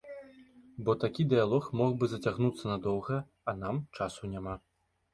Бо такі дыялог мог бы зацягнуцца надоўга, а нам часу няма.